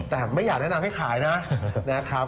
แต่ไม่อยากแนะนำให้ขายนะครับ